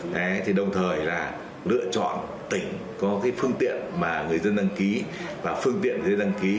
đấy thì đồng thời là lựa chọn tỉnh có cái phương tiện mà người dân đăng ký và phương tiện dưới đăng ký